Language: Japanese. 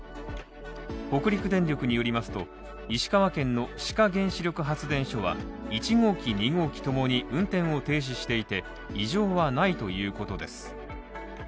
北陸電力によりますと石川県の志賀原子力発電所は１号機・２号機共に運転を停止していて異常はないということです。